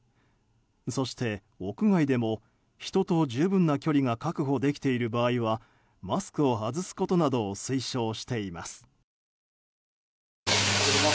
そして、屋外でも人と十分な距離が確保できている場合はマスクを外すことなどを推奨しています。